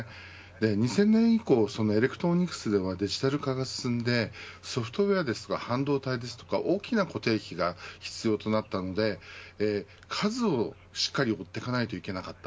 ２０００年以降エレクトロニクスではデジタル化が進んでソフトウエアや半導体ですとか大きな固定費が必要となったので数をしっかり持っていかないといけなかった。